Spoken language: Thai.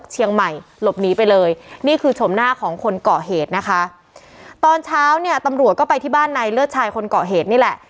หน้าของคนเกาะเหตุนะคะตอนเช้าเนี่ยตำรวจก็ไปที่บ้านนายเลือดชายคนเกาะเหตุนี่แหละ